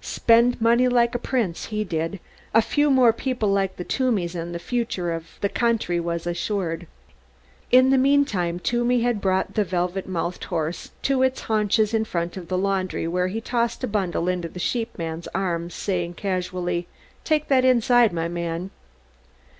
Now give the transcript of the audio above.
Spent money like a prince he did. A few more people like the Toomeys and the future of the country was assured. In the meantime Toomey had brought the velvet mouthed horse to its haunches in front of the laundry where he tossed a bundle into the sheepman's arms, saying casually; "Take that inside, my man."